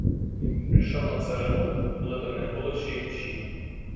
Прийшов на царину, коли там не було ще й душі.